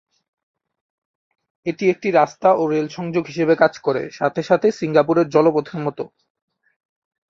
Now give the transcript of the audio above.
এটি একটি রাস্তা ও রেল সংযোগ হিসাবে কাজ করে, সাথে সাথে সিঙ্গাপুরের জলপথের মতো।